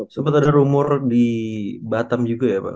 sempat ada rumor di batam juga ya pak